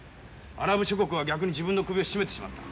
アラブ諸国は逆に自分の首を絞めてしまった。